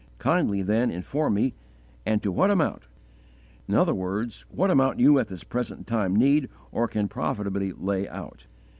Kindly then inform me, and to what amount, i.e. what amount you at this present time need or can profitably lay out."